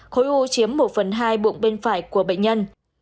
khối u chiếm một phần hai bụng bên phải của bệnh nhân